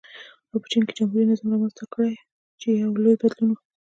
او په چین کې جمهوري نظام رامنځته کړي چې یو لوی بدلون و.